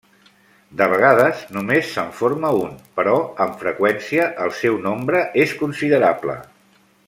De vegades només se'n forma un, però amb freqüència el seu nombre és considerable.